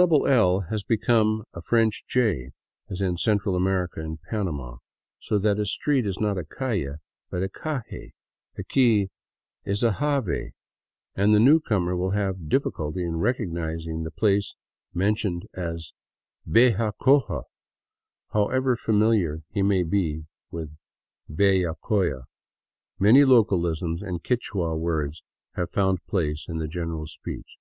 The "11" has become a French "j," as in Central America and Panama, so that a street is not a calle but a " caje/' a key is a " jave," and the newcomer will have difficulty in recognizing the place mentioned as " Beja Coja/' however familiar he may be with the Bella Colla. Many localisms and Quichua words have found place in the general speech.